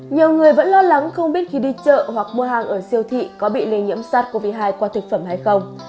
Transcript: nhiều người vẫn lo lắng không biết khi đi chợ hoặc mua hàng ở siêu thị có bị lây nhiễm sars cov hai qua thực phẩm hay không